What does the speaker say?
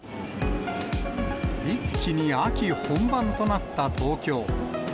一気に秋本番となった東京。